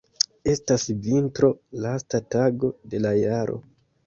Estas vintro, lasta tago de la jaro.